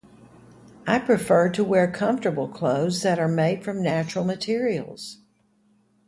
I prefer to wear comfortable clothes that are made from natural materials.